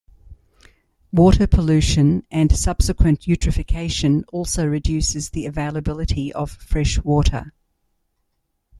Water pollution and subsequent eutrophication also reduces the availability of fresh water.